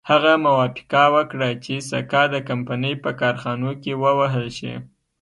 هغه موافقه وکړه چې سکه د کمپنۍ په کارخانو کې ووهل شي.